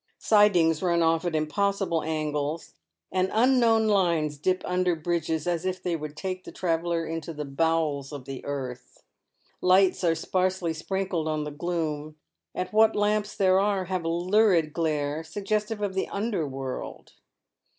Sidings run off at impossible angles, and unknown lines dip under bridges as if they would take the traveller into the bowels of the earth. Lights are sparsely sprinkled on the gloom, and what lamps there are have a lurid glare, suggestive of the under world.